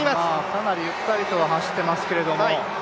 かなりゆったりとは走っていますけれども。